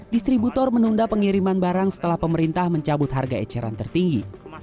distributor menunda pengiriman barang setelah pemerintah mencabut harga eceran tertinggi